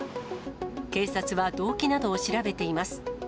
警察は動機などを調べています。